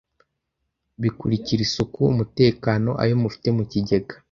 bikurikira isuku ,umutekano ,ayo mufite mu kigega